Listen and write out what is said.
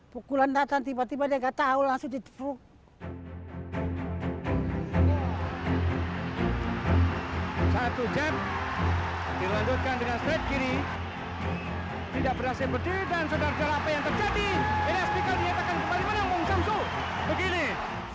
pukulan datang tiba tiba dia gak tahu langsung ditepuk